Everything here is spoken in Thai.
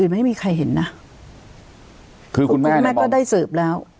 อื่นไม่มีใครเห็นนะคุณแม่ก็ได้สืบแล้ว